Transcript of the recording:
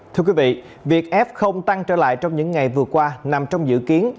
thưa quý vị việc f tăng trở lại trong những ngày vừa qua nằm trong dự kiến